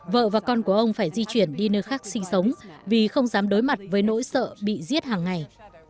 vợ và con của ông phải di chuyển đi nơi khác sinh sống vì không dám đối mặt với nỗi sợ bị giết hàng ngày